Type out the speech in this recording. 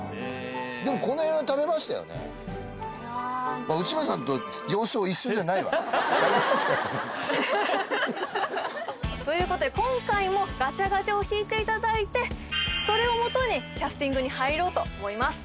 そうそう食べましたよねということで今回もガチャガチャを引いていただいてそれを基にキャスティングに入ろうと思います